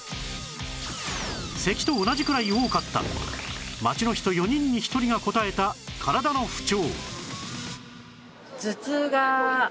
咳と同じくらい多かった街の人４人に１人が答えた体の不調